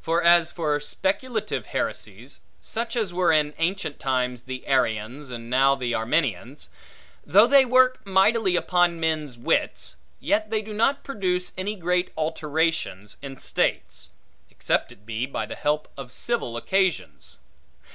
For as for speculative heresies (such as were in ancient times the Arians, and now the Arminians), though they work mightily upon men's wits, yet they do not produce any great alterations in states; except it be by the help of civil occasions.